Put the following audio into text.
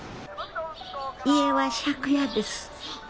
家は借家です。